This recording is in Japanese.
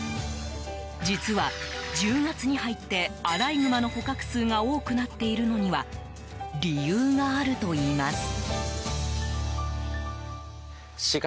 実は、１０月に入ってアライグマの捕獲数が多くなっているのには理由があるといいます。